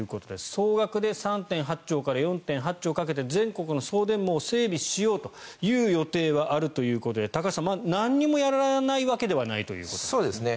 総額で３．８兆から４．８兆かけて全国の送電網を整備しようという予定はあるということで高橋さん、何もやらないわけではないということですね。